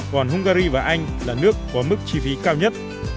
còn hungary và anh là nước có mức chi phí cao nhất